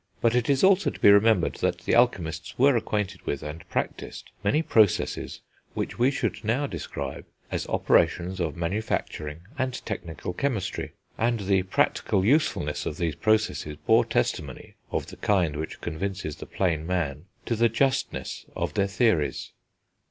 But it is also to be remembered that the alchemists were acquainted with, and practised, many processes which we should now describe as operations of manufacturing and technical chemistry; and the practical usefulness of these processes bore testimony, of the kind which convinces the plain man, to the justness of their theories.